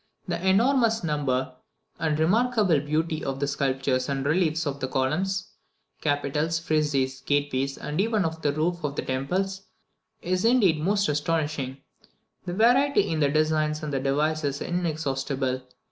The enormous number and remarkable beauty of the sculptures and reliefs on the columns, capitals, friezes, gateways, and even on the roof of the temples, is indeed most astonishing; the variety in the designs and devices is inexhaustible.